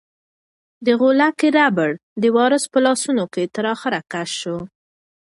د غولکې ربړ د وارث په لاسونو کې تر اخره کش شو.